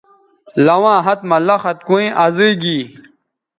لواں ہَت مہ لخت کویں ازئ گی